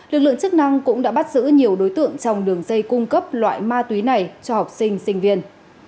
lực lượng chức năng cũng đã bắt giữ nhiều đối tượng trong đường dây cung cấp loại ma túy này cho học sinh sinh viên